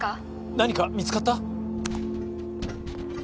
何か見つかった？